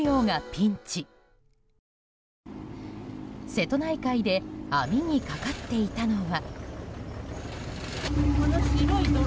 瀬戸内海で網にかかっていたのは。